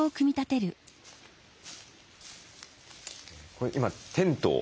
これ今テントを？